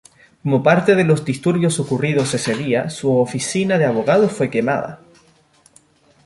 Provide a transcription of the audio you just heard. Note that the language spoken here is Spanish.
Como parte de los disturbios ocurridos ese día, su oficina de abogado fue quemada.